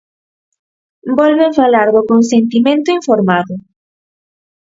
Volven falar do consentimento informado.